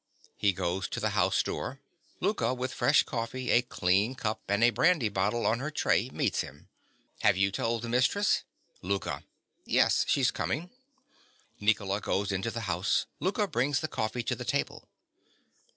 (He goes to the house door. Louka, with fresh coffee, a clean cup, and a brandy bottle on her tray meets him.) Have you told the mistress? LOUKA. Yes: she's coming. (_Nicola goes into the house. Louka brings the coffee to the table.